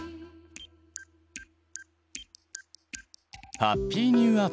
ハッピーニューアーツ！